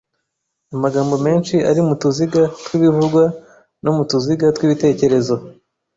Amagambo menshi ari mu tuziga tw'ibivugwa no mu tuziga tw'ibitekerezo.